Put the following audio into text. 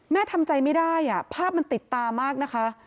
ทำใจไม่ได้ภาพมันติดตามากนะคะ